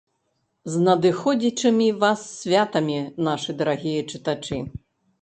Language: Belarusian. З надыходзячымі вас святамі, нашы дарагія чытачы!